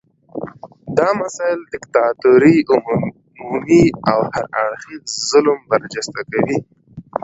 دا مسایل د دیکتاتورۍ عمومي او هر اړخیز ظلم برجسته کوي.